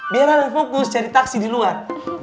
biar anak fokus cari aksi di luar